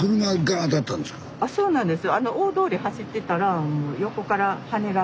そうなんですよ。